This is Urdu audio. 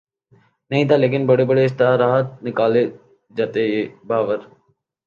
نہیں تھا لیکن بڑے بڑے اشتہارات نکالے جاتے یہ باور